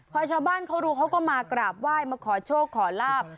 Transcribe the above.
พอชาวบ้านเขารู้เขาก็มากราบไหว้มาขอโชคขอลาบ